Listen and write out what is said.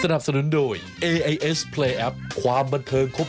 อ่าช่วงหน้าสักครู่เดียวค่ะ